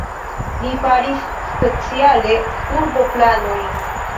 Li faris speciale urboplanojn.